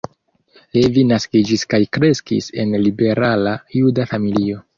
Levi naskiĝis kaj kreskis en liberala juda familio.